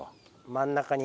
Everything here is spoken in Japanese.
真ん中に。